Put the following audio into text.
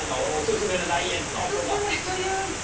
オススメというか。